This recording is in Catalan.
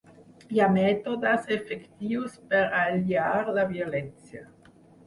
Hi ha mètodes efectius per aïllar la violència.